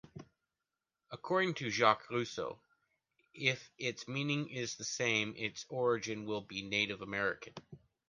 According to Jacques Rousseau, if its meaning is the same, its origin will be Native American.